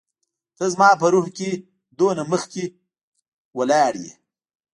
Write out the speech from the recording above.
ته زما په روح کي دومره مخکي لاړ يي